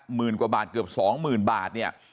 หมื่นกว่าบาทเกือบ๒๐๐๐บาทเนี่ย